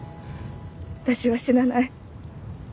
私は死なない。